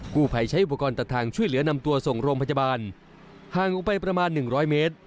ผู้ภัยใช้อุปกรณ์ตัดทางช่วยเหลือนำตัวส่งโรงพยาบาลห่างออกไปประมาณหนึ่งร้อยเมตร